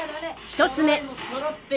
１つ目。